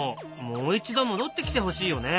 もう一度戻ってきてほしいよね。